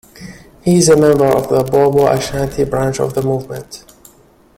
He is a member of the Bobo Ashanti branch of the movement.